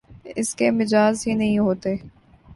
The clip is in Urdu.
اس کے مجاز ہی نہیں ہوتے